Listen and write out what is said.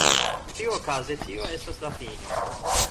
Ĉiuokaze tio estas la fino.